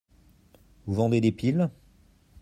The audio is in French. Vous vendez des piles ?